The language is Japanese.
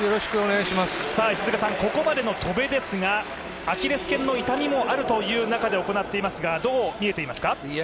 ここまでの戸邉ですがアキレス腱の痛みがある中行っていますがどう見えていますか？